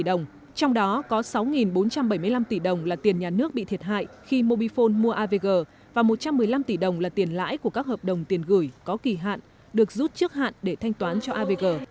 bộ thông tin và truyền thông có hợp đồng tiền gửi có kỳ hạn được rút trước hạn để thanh toán cho avg